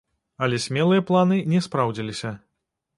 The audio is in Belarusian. Але смелыя планы не спраўдзіліся.